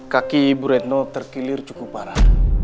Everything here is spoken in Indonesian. kaki ibu retno terkilir cukup parah